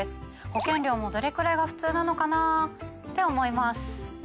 保険料もどれくらいが普通なのかな？って思います。